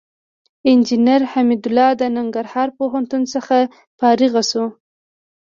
انجينر حميدالله د ننګرهار پوهنتون څخه فارغ شوى.